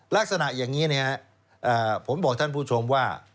ลักษณะอย่างนี้ผมบอกท่านผู้ชมว่า